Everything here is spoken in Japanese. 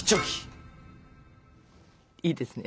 いいですね。